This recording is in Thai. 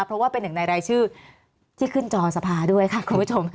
เพราะว่าเป็นหนึ่งในรายชื่อที่ขึ้นจอสภาด้วยค่ะคุณผู้ชม